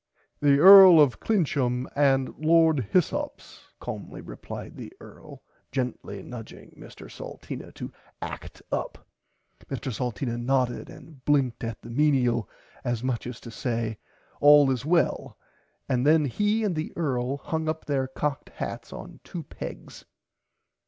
The Earl of Clincham and Lord Hyssops calmly replied the earl gently nudging Mr Salteena to act up. Mr Salteena nodded and blinked at the menial as much as to say all is well and then he and the earl hung up their cocked hats on two pegs.